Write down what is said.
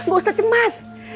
gak usah cemas